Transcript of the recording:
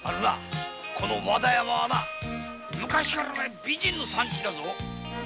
この和田山は昔から有名な美人の産地だ。